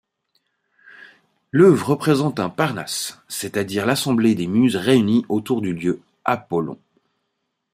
L’œuvre représente un Parnasse, c’est-à-dire l’assemblée des Muses réunies autour du dieu Apollon.